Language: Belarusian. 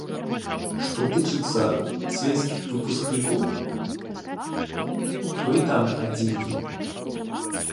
Што тычыцца сельскіх выпускнікоў, то і там іх адзінкі.